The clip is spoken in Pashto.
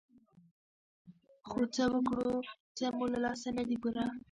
خو څه وکړو څه مو له لاسه نه دي پوره.